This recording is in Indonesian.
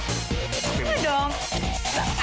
biasanya kita keluar dari rumah ya